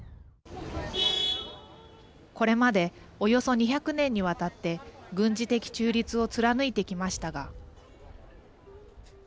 これまでおよそ２００年にわたって軍事的中立を貫いてきましたが。